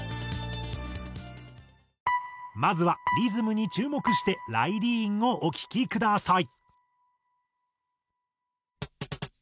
まずはリズムに注目して『ＲＹＤＥＥＮ』をお聴きください。